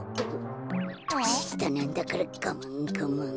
こころのこえとししたなんだからがまんがまん。